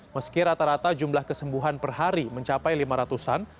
meski rata rata jumlah kesembuhan per hari mencapai lima ratus an